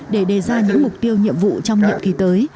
để đề ra những mục tiêu nhiệm vụ trong nhiệm kỳ tới